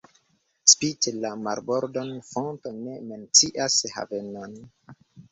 Spite la marbordon fonto ne mencias havenon.